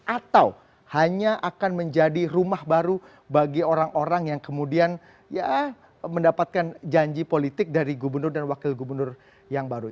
atau hanya akan menjadi rumah baru bagi orang orang yang kemudian ya mendapatkan janji politik dari gubernur dan wakil gubernur yang baru